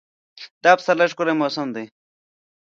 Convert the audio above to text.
دا پسرلی ښکلی موسم دی.